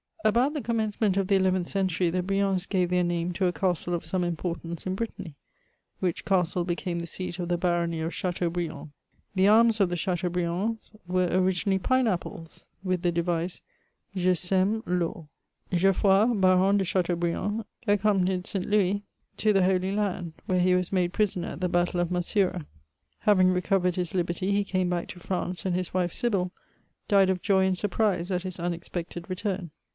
About the commencement of the eleventh century, the Briens gave their name to a castle of some importance in Brittany; which castle became the seat of the Barony of Chateaubriand. The arms of the Chateaubriands were originally pine apples, with the device : Je seme tor. Geoffroy, Baron de Chateaubriand, accompanied St. Louis to the Holy Land, where iie was made prisoner at the battle of Masura. Having recovered his liberty, he came back to France, and his wife, Sybille, died of joy and surprise at his unexpected' return.